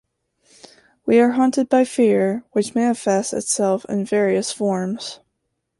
We are haunted by fear, which manifests itself in various forms.